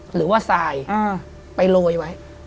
หรือว่าทรายไปโรยไว้